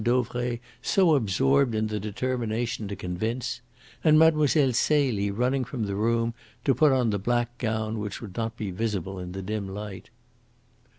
Dauvray, so absorbed in the determination to convince; and Mlle. Celie running from the room to put on the black gown which would not be visible in the dim light.